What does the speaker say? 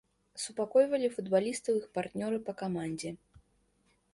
Супакойвалі футбалістаў іх партнёры па камандзе.